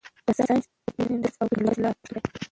د ساینس او ټکنالوژۍ اصطلاحات پښتو کړئ.